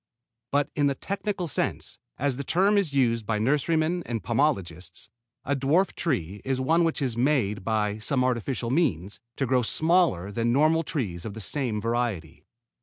But in the technical sense, as the term is used by nurserymen and pomologists, a dwarf tree is one which is made, by some artificial means, to grow smaller than normal trees of the same variety.